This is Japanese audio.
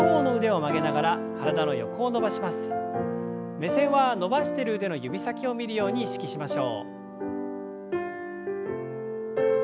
目線は伸ばしている腕の指先を見るように意識しましょう。